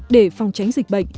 để phòng tránh dịch bệnh